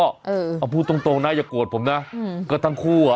เอาพูดตรงนะอย่าโกรธผมนะก็ทั้งคู่อ่ะ